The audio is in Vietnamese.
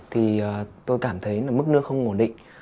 thì tôi cảm thấy mức nước không ổn định